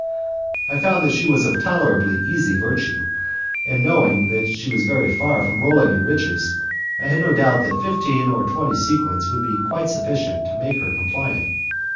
I found that she was of tolerably easy virtue, and, knowing that she was very far from rolling in riches, I had no doubt that fifteen or twenty sequins would be quite sufficient to make her compliant.